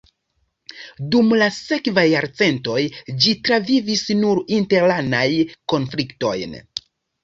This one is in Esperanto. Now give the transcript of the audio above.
Dum la sekvaj jarcentoj ĝi travivis nur internajn konfliktojn.